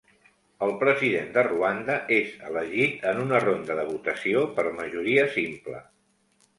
El President de Ruanda és elegit en una ronda de votació per majoria simple.